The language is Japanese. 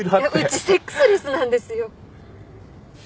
うちセックスレスなんですよ。